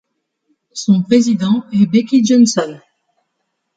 Son président est Becky Johnson.